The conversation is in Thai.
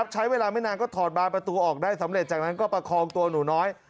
ใช้เวลาไม่นานก็ถอดบานประตูออกได้สำเร็จจากนั้นก็ประคองตัวหนูน้อย